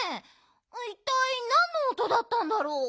いったいなんのおとだったんだろう？